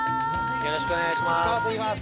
◆よろしくお願いします。